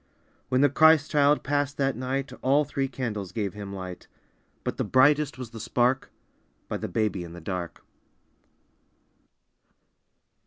When the Christ child passed that night All three candles gave Him light, But the brightest was the spark By the baby in the dark.